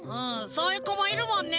そういうこもいるもんね。